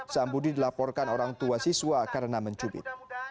sam budi dilaporkan orang tua siswa karena mencubit